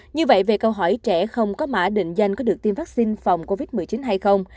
như vậy về câu hỏi trẻ không có mã định danh có được tiêm vaccine phòng covid một mươi chín hay không